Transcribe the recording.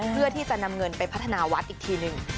เพื่อที่จะนำเงินไปพัฒนาวัดอีกทีหนึ่ง